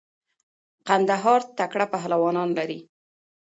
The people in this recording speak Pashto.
قندهار تکړه پهلوانان لری.